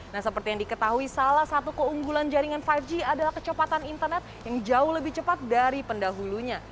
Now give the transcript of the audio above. nah seperti yang diketahui salah satu keunggulan jaringan lima g adalah kecepatan internet yang jauh lebih cepat dari pendahulunya